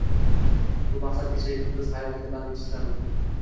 Bu maqsad kechayu kunduz xayolingni band etishi zarur